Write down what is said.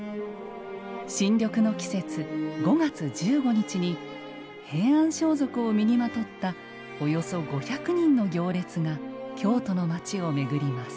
新緑の季節、５月１５日に平安装束を身にまとったおよそ５００人の行列が京都の街を巡ります。